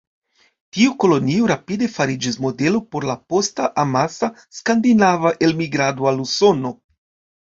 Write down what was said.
Tiu kolonio rapide fariĝis modelo por la posta, amasa skandinava elmigrado al Usono.